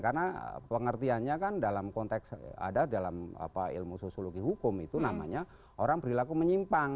karena pengertiannya kan dalam konteks ada dalam ilmu sosiologi hukum itu namanya orang perilaku menyimpang